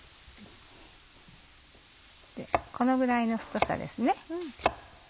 このぐらいの太さですね。